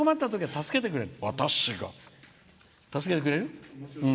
助けてくれる？